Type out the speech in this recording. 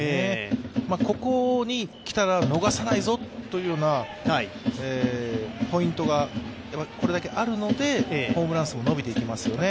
ここにきたら逃さないぞというようなポイントがこれだけあるのでホームラン数も伸びていきますよね。